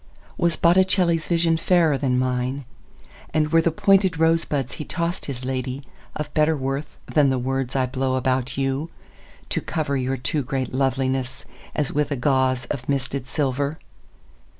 Was Botticelli's visionFairer than mine; And were the pointed rosebudsHe tossed his ladyOf better worthThan the words I blow about youTo cover your too great lovelinessAs with a gauzeOf misted silver?